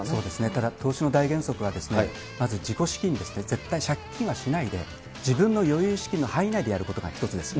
ただ、投資の大原則は、まず自己資金ですね、絶対借金はしないで、自分の余裕資金の範囲内でやることが１つです。